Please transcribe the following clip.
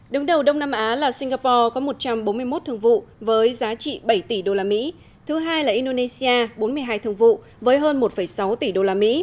đứng đầu đông nam á là singapore có một trăm bốn mươi một thương vụ với giá trị bảy tỷ usd thứ hai là indonesia bốn mươi hai thương vụ với hơn một sáu tỷ usd